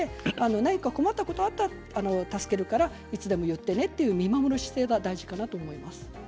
困ったことがあったら助けるからいつでも言ってねという見守る姿勢が大事だと思います。